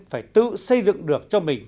phải tự xây dựng được cho mình